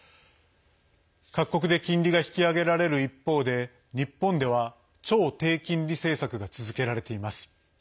各国で金利が引き上げられる一方で日本では超低金利政策が続けられています。